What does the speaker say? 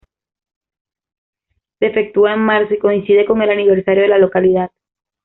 Se efectúa en marzo y coincide con el aniversario de la localidad.